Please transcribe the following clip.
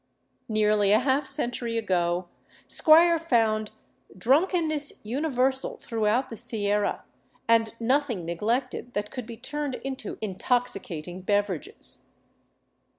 Nearly a half century ago Squier found " drunkenness universal throughout the Sierra, and nothing neglected that could be turned into intoxicating beverages."